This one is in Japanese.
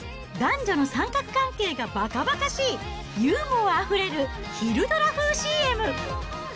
男女の三角関係がばかばかしい、ユーモアあふれる昼ドラ風ＣＭ。